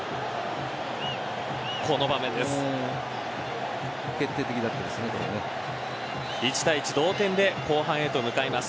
この場面です。